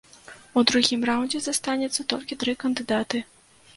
У другім раўндзе застанецца толькі тры кандыдаты.